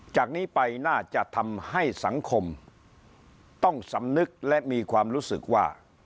จากนี้ไปน่าจะทำให้สังคมต้องสำนึกและมีความรู้สึกว่า